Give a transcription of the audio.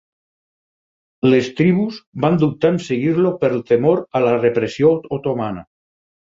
Les tribus van dubtar en seguir-lo per temor a la repressió otomana.